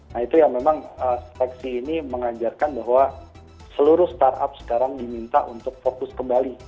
nah itu yang memang seleksi ini mengajarkan bahwa seluruh startup sekarang diminta untuk fokus kembali